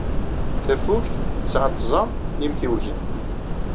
Tafukt tesɛa tẓa n yimtiwgen.